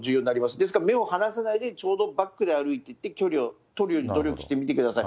ですから目を離さないで、ちょうどバックで歩いていって、距離を取るように努力してみてください。